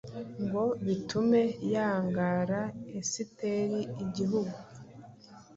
ngo bitume yangara Esiteri igihugu?’’